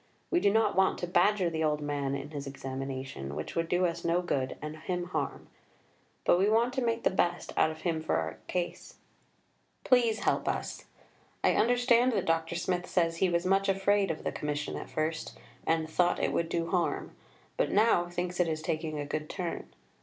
We do not want to badger the old man in his examination, which would do us no good and him harm. But we want to make the best out of him for our case. Please help us. I understand that Dr. Smith says he was much afraid of 'the Commission' at first, and 'thought it would do harm.' But now 'thinks it is taking a good turn.'